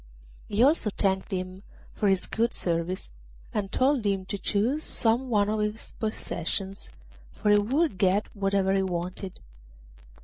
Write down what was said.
He also thanked him for his good service, and told him to choose some one of his possessions, for he would get whatever he wanted.